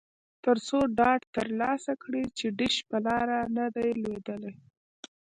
ترڅو ډاډ ترلاسه کړي چې ډیش په لاره نه دی لویدلی